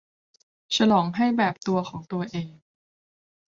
ฉลองให้แบบตัวของตัวเอง